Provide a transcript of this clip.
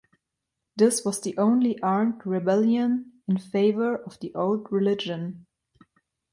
This was the only armed rebellion in favor of the old religion.